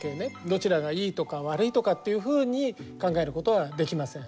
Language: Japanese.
どちらがいいとか悪いとかっていうふうに考えることはできません。